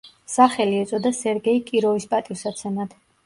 სახელი ეწოდა სერგეი კიროვის პატივსაცემად.